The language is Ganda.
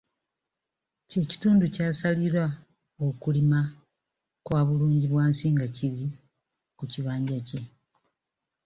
Kye kitundu kyasalirwa okulima kwa bulungibwansi nga kiri ku kibanja kye.